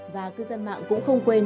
và cư dân mạng cũng không quên